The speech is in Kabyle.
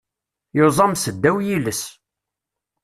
Yuẓam seddaw yiles.